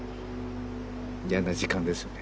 嫌な時間ですよね